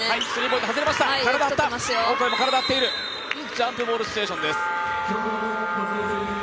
ジャンプボールシチュエーションです。